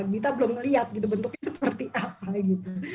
kita belum melihat gitu bentuknya seperti apa gitu